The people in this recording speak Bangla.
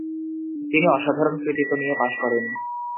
তিনি অসাধারণ কৃতিত্ব নিয়ে পাশ করেন।